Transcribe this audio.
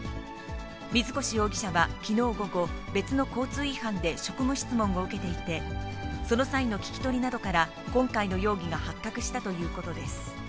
水越容疑者はきのう午後、別の交通違反で職務質問を受けていて、その際の聞き取りなどから、今回の容疑が発覚したということです。